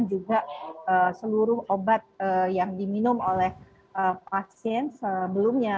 kemudian kita mengumpulkan juga seluruh obat yang diminum oleh pasien sebelumnya